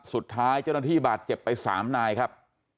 สุดท้ายเช่นวาฒอ์ที่บาดเจ็บไปสามนายครับ